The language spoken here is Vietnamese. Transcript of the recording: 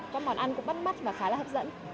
các món ăn cũng bắt mắt và khá là hấp dẫn